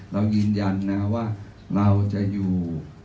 เรายืนยันนะว่าเราจะอยู่